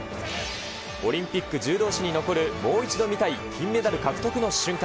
オリンピック柔道史に残るもう一度見たい金メダル獲得の瞬間。